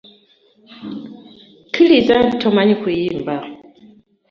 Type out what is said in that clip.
Kkiriza nti tomanyi kuyimba.